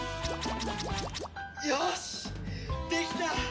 よしできた！